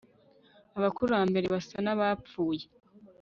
Abakurambere basa nabapfuye